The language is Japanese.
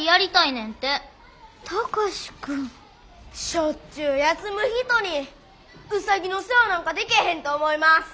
しょっちゅう休む人にウサギの世話なんかでけへんと思います。